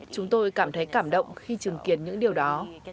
chúng tôi cảm thấy cảm động khi chứng kiến những điều đó